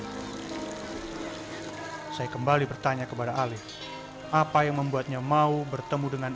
hai saya kembali bertanya kepada alih apa yang membuatnya mau bertemu dengan